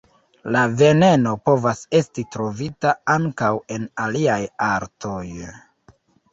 La veneno povas esti trovita ankaŭ en aliaj artoj.